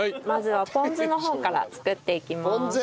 まずはポン酢の方から作っていきます。